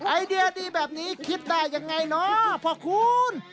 ไอเดียดีแบบนี้คิดได้ยังไงเนาะพ่อคุณ